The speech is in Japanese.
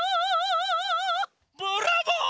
ブラボー！